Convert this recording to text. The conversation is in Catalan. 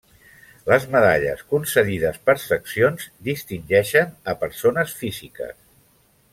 Les medalles, concedides per seccions, distingeixen a persones físiques.